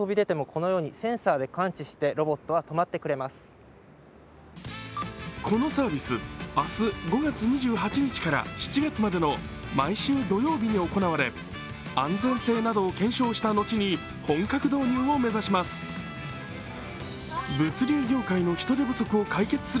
このサービス明日５月２８日から７月までの毎週土曜日に行われ安全性などを検証した後に本格導入を目指します。